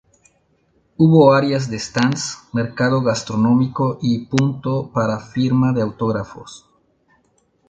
Hubo áreas de stands, mercado gastronómico y punto para firma de autógrafos.